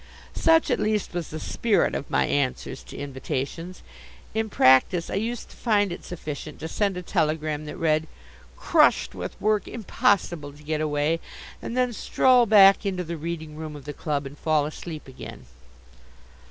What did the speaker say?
Such at least was the spirit of my answers to invitations. In practice I used to find it sufficient to send a telegram that read: "Crushed with work impossible to get away," and then stroll back into the reading room of the club and fall asleep again.